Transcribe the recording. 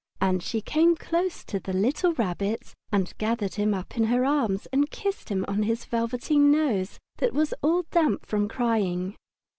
And she came close to the little Rabbit and gathered him up in her arms and kissed him on his velveteen nose that was all damp from crying.